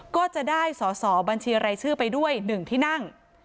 ก็จะได้สอสอบัญชีรายชื่อไปด้วย๑ที่นั่ง